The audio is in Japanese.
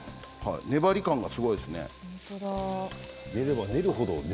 粘り感がすごいですね。